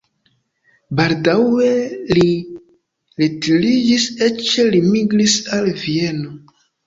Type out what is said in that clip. Baldaŭe li retiriĝis, eĉ li migris al Vieno.